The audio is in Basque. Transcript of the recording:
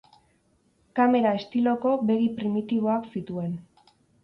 Kamera estiloko begi primitiboak zituen.